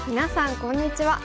こんにちは。